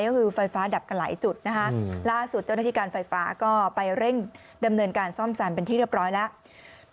ก็คือไฟฟ้าดับกันหลายจุดนะคะล่าสุดเจ้าหน้าที่การไฟฟ้าก็ไปเร่งดำเนินการซ่อมแซมเป็นที่เรียบร้อยแล้ว